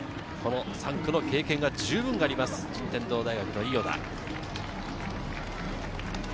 ３区の経験が十分あります、順天堂の伊豫田。